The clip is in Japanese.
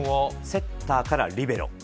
セッターからリベロ。